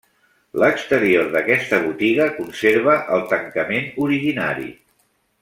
L'exterior d'aquesta botiga conserva el tancament originari.